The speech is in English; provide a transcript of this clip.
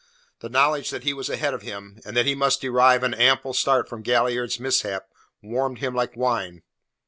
The knowledge that he was ahead of him, and that he must derive an ample start from Galliard's mishap, warmed him like wine.